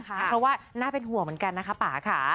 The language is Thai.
เพราะว่าน่าเป็นห่วงเหมือนกันนะคะป่าค่ะ